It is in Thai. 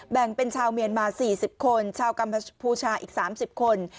แบ่งเป็นชาวเมียนมา๔๐คนชาวกัมพูชาอีก๓๐คน